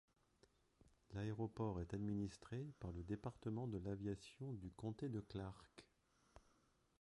L'aéroport est administré par le Département de l'aviation du comté de Clark.